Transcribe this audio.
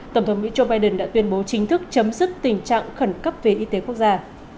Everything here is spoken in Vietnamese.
tổng thống mỹ joe biden đã tuyên bố chính thức chấm dứt tình trạng khẩn cấp về y tế quốc gia